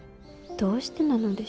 どうしてなのでしょう。